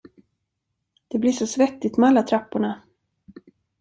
Det blir så svettigt med alla trapporna!